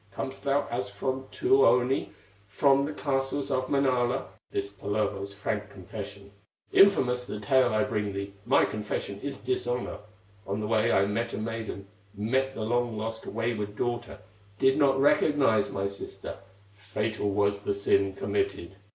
Comest thou as from Tuoni, From the castles of Manala?" This, Kullervo's frank confession: "Infamous the tale I bring thee, My confession is dishonor: On the way I met a maiden, Met thy long lost, wayward daughter, Did not recognize my sister, Fatal was the sin committed!